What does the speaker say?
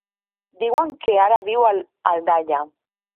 Diuen que ara viu a Aldaia.